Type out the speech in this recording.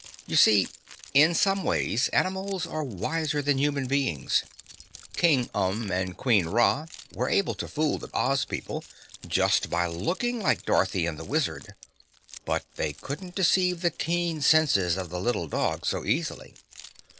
You see, in some ways animals are wiser than human beings. King Umb and Queen Ra were able to fool the Oz people just by looking like Dorothy and the Wizard, but they couldn't deceive the keen senses of the little dog so easily.